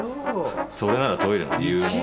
それならトイレの理由も分かる。